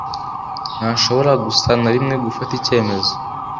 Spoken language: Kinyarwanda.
ntashobora gusa na rimwe gufata icyemezo